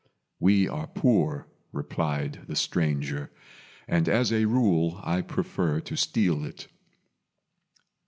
"We are poor," replied the stranger, "and as a rule I prefer to steal it."